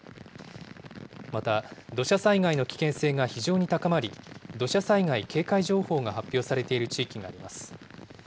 また、土砂災害の危険性が非常に高まり、土砂災害警戒情報が発表されている地域があります。